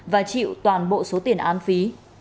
và chịu toàn bộ số tiền an phí